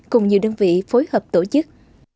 cùng nhiều đơn vị phối hợp tổ chức